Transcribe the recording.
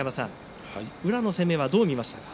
宇良の攻めはどう見ますか。